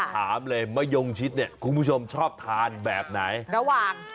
ถามเลยมะยงชิดเนี่ยคุณผู้ชมชอบทานแบบไหนระหว่าง